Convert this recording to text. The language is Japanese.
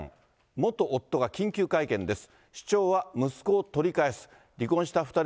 元夫が緊急会見です。